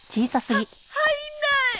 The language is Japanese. は入んない！